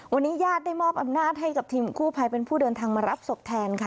วันนี้ญาติได้มอบอำนาจให้กับทีมกู้ภัยเป็นผู้เดินทางมารับศพแทนค่ะ